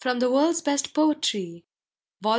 The WorldsVest Poetry Vol.!